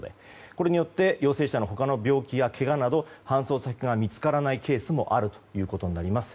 これによって陽性者の他の病気など搬送先が見つからないケースもあるということになります。